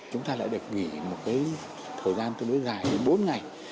chúng ta lại được nghỉ một thời gian tương đối dài đến bốn ngày